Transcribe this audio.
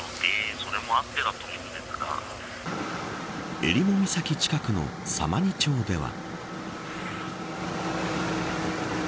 えりも岬近くの様似町では。